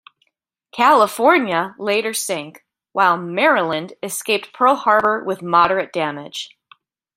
"California" later sank, while "Maryland" escaped Pearl Harbor with moderate damage.